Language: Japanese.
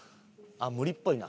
無理っぽいな。